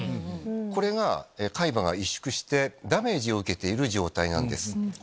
これが海馬が萎縮してダメージを受けている状態です。